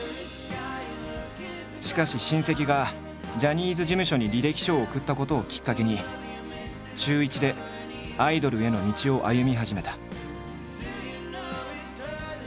しかし親戚がジャニーズ事務所に履歴書を送ったことをきっかけに中１でアイドルへの道を歩み始めた。